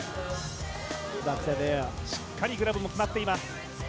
しっかりグラブも決まっています。